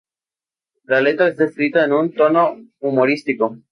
La letra está escrita en un tono humorístico.